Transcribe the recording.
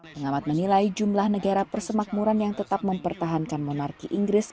pengamat menilai jumlah negara persemakmuran yang tetap mempertahankan monarki inggris